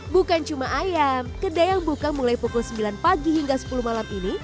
bukan cuma ayam kedai yang buka mulai pukul sembilan pagi hingga sepuluh malam ini